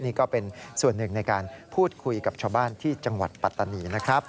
นี่ก็เป็นส่วนหนึ่งในการพูดคุยกับชาวบ้านที่จังหวัดปัตตานีนะครับ